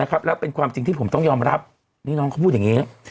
แล้วเป็นความจริงที่ผมต้องยอมรับนี่น้องเขาพูดอย่างนี้